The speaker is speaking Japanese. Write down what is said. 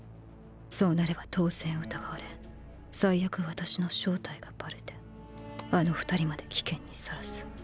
そうなれば当然疑われ最悪私の正体がバレてあの二人まで危険にさらす。